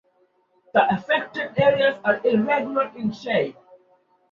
The affected areas are irregular in shape.